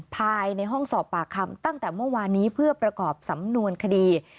ภายในห้องสอบปากคำตั้งแต่เมื่อวานนี้เพื่อประกอบสำนวนคดี